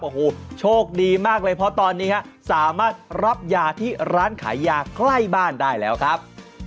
โอ้โหโชคดีมากเลยเพราะตอนนี้สามารถรับยาที่ร้านขายยาใกล้บ้านได้แล้วครับ